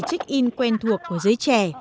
trích in quen thuộc của giới trẻ